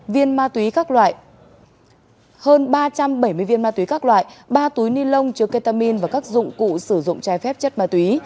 ba viên ma túy các loại hơn ba trăm bảy mươi viên ma túy các loại ba túi ni lông chứa ketamin và các dụng cụ sử dụng trái phép chất ma túy